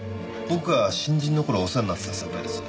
僕が新人の頃お世話になってた先輩です。